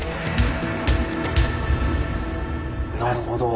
なるほど。